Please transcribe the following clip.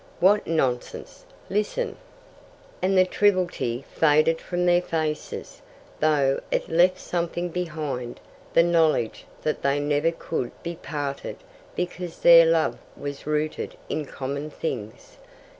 "What nonsense listen!" And the triviality faded from their faces, though it left something behind the knowledge that they never could be parted because their love was rooted in common things.